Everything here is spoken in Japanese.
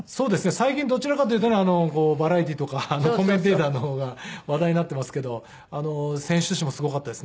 最近どちらかというとねバラエティーとかコメンテーターの方が話題になっていますけど選手としてもすごかったですね。